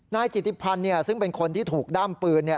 นายจิติพันธ์ซึ่งเป็นคนที่ถูกด้ามปืน